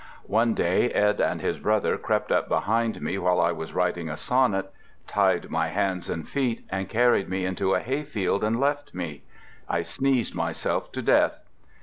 One day Ed and his brother crept up behind me While I was writing a sonnet, Tied my hands and feet, And carried me into a hayfield and left me. I sneezed myself to death.